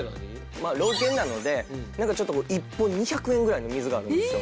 まあ老犬なのでなんかちょっとこう１本２００円ぐらいの水があるんですよ。